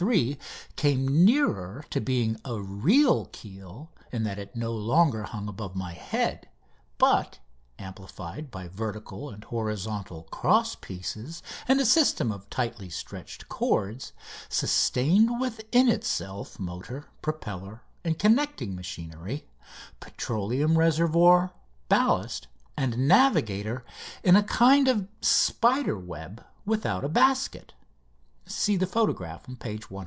3" came nearer to being a real keel in that it no longer hung above my head, but, amplified by vertical and horizontal cross pieces and a system of tightly stretched cords, sustained within itself motor, propeller, and connecting machinery, petroleum reservoir, ballast, and navigator in a kind of spider web without a basket (see photograph, page 135).